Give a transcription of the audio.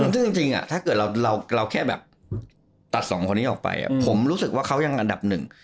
ซึ่งจริงถ้าเกิดเราแค่แบบตัดสองคนนี้ออกไปผมรู้สึกว่าเขายังอันดับหนึ่ง